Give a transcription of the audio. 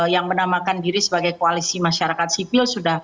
yang menamakan diri sebagai koalisi masyarakat sipil